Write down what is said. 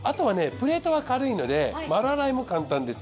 プレートは軽いので丸洗いも簡単です。